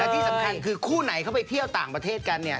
ที่สำคัญคือคู่ไหนเขาไปเที่ยวต่างประเทศกันเนี่ย